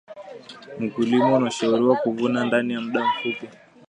mkulima anshauriwa kuvuna ndani ya mda mfupi